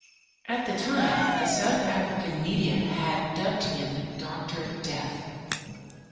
At the time, the South African media had dubbed him "Dr Death".